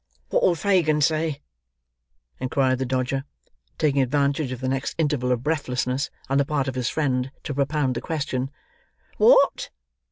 "What'll Fagin say?" inquired the Dodger; taking advantage of the next interval of breathlessness on the part of his friend to propound the question. "What?"